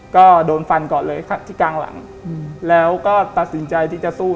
ก็โดนฟันก่อนเลยที่กลางหลังแล้วก็ตัดสินใจที่จะสู้